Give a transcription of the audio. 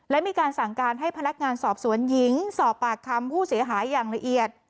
และมีการสั่งการให้พนักงานสอบสวนหญิงสอบปากคำผู้เสียหายอย่างละเอียด